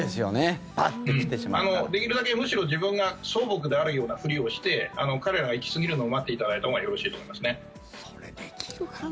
できるだけむしろ自分が草木であるようなふりをして彼らが行き過ぎるのを待っていただいたほうがそれ、できるかな。